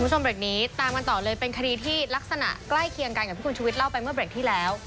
คุณผู้ชมเบรกนี้ตามกันต่อเลยเป็นคดีที่ลักษณะใกล้เคียงกันกับที่คุณชุวิตเล่าไปเมื่อเบรกที่แล้ว